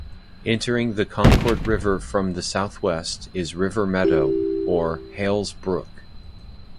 Entering the Concord River from the southwest is River Meadow, or Hale's Brook.